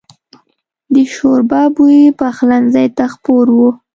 د شوربه بوی پخلنځي ته خپور و.